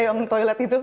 eh yang toilet itu